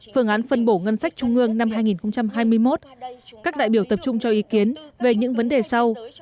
phương án phân bổ ngân sách trung ương năm hai nghìn hai mươi một các đại biểu tập trung cho ý kiến về những vấn đề sau